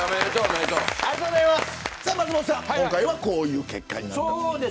松本さん、今回はこういう結果でした。